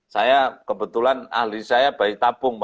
saya kebetulan ahli saya bayi tabung